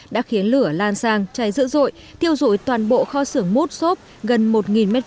đã khiến lửa lan sang cháy dữ dội thiêu dụi toàn bộ kho sưởng mút xốp gần một m hai